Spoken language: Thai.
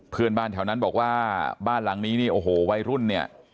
เพื่อนบ้านแถวนั้นบอกว่าบ้านหลังนี้นี่โอ้โหวัยรุ่นเนี่ย